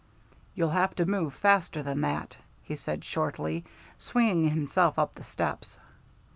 "You'll have to move faster than that," he said shortly, swinging himself up the steps.